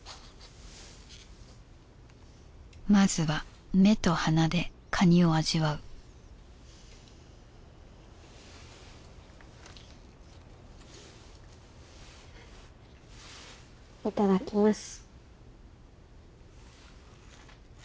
まずは目と鼻でかにを味わういただきます。